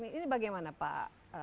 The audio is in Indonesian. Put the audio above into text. ini bagaimana pak